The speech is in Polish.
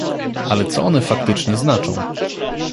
Ale co one faktycznie znaczą?